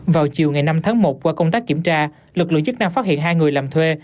vào chiều ngày năm tháng một qua công tác kiểm tra lực lượng chức năng phát hiện hai người làm thuê